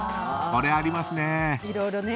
これ、ありますね。